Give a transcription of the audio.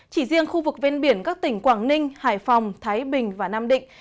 chỉ riêng khu vực ven biển các tỉnh quảng ninh hải phòng thái bình và nam định